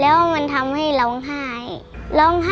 แล้วหนูก็บอกว่าไม่เป็นไรห้าว่างมาหาหนูบ้างนะคะ